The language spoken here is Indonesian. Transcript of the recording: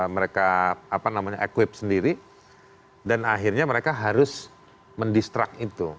mereka apa namanya equip sendiri dan akhirnya mereka harus mendistract itu